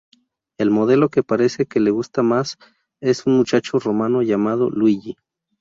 El modelo que parece que le gusta más, es un muchacho romano llamado Luigi.